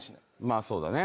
まあそうだね。